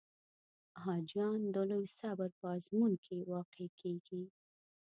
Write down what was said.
حاجیان د لوی صبر په آزمون کې واقع کېږي.